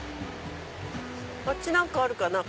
あっち何かあるかな？